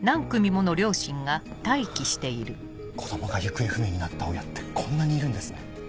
子供が行方不明になった親ってこんなにいるんですね。